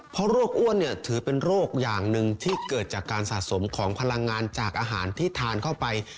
เพราะโรคอ้วนเนี่ยถือเป็นโรคอย่างหนึ่งที่เกิดจากการสะสมของพลังงานจากอาหารที่ทานเข้าไป